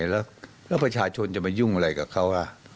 แล้วประชาชนจะมายุ่งอะไรกับเขา